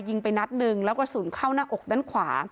ยิงไปนัดหนึ่งแล้วกระสุนเข้าหน้าอกด้านขวา